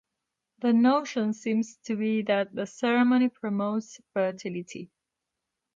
The notion seems to be that the ceremony promotes fertility.